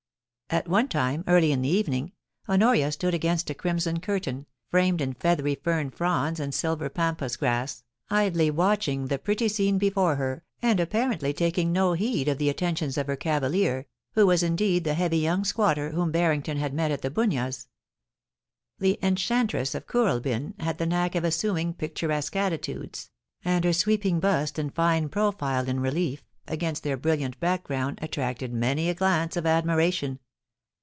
At one time, early in the evening, Honoria stood against a crimson curtain, framed in feathery fern fronds and silver pampas grass, idly watching the pretty scene before her and appa rently taking no heed of the attentions of her cavalier, who was indeed the heavy young squatter whom Barrington had met at The Bunyas. The Enchantress of Kooralbyn had the knack of assuming picturesque attitudes, and her sweeping bust and fine profile in relief against their brilliant background attracted many a glance of admiration.